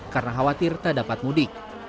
karena khawatir tak dapat mudik